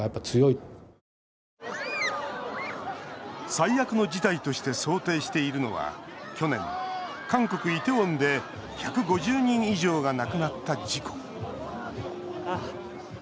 最悪の事態として想定しているのは去年、韓国・イテウォンで１５０人以上が亡くなった事故。